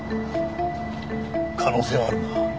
可能性はあるな。